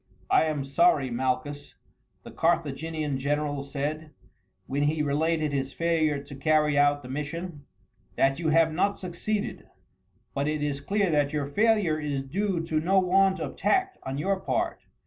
"I am sorry, Malchus," the Carthaginian general said, when he related his failure to carry out the mission, "that you have not succeeded, but it is clear that your failure is due to no want of tact on your part.